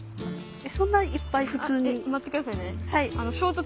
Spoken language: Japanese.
そんないっぱい普通に？